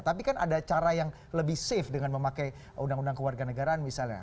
tapi kan ada cara yang lebih safe dengan memakai undang undang kewarganegaraan misalnya